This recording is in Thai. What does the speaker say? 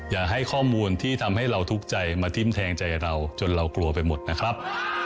อย่าให้ข้อมูลที่ทำให้เราทุกข์ใจมาทิ้มแทงใจเราจนเรากลัวไปหมดนะครับ